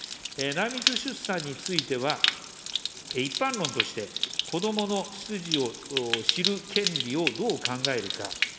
内密出産については、一般論として、こどもの出自を知る権利をどう考えるか。